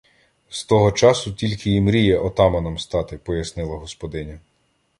З того часу тільки і мріє отаманом стати, — пояснила господиня.